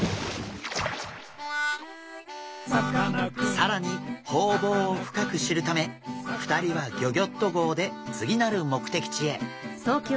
更にホウボウを深く知るため２人はギョギョッと号で次なる目的地へ。